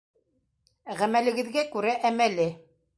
Ғәмәлегеҙгә күрә әмәле.